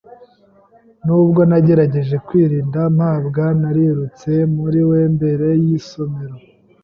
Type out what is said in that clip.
Nubwo nagerageje kwirinda mabwa, narirutse muri we imbere y'isomero.